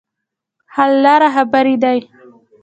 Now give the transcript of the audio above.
حل لاره خبرې دي.